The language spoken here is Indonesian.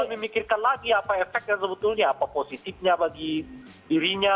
harus memikirkan lagi apa efeknya sebetulnya apa positifnya bagi dirinya